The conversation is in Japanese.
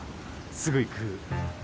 すぐ行く。